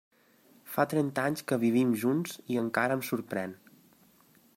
Fa trenta anys que vivim junts i encara em sorprèn.